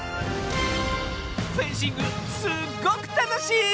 フェンシングすっごくたのしい！